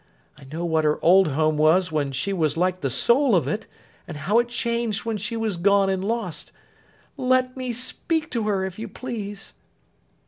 I know what her old home was when she was like the soul of it, and how it changed when she was gone and lost. Let me speak to her, if you please!